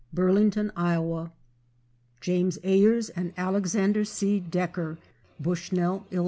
Burlington, Iowa. James Ayers and Alexander C. Decker, Bushnell, Ill.